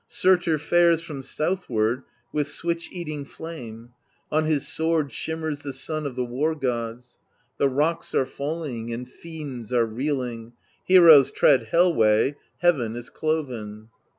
THE BEGUILING OF GYLFI 8i Surtr fares from southward with switch eating flame; On his sword shimmers the sun of the war gods; The rocks are falling, and fiends are reeling, Heroes tread Hel way, heaven is cloven.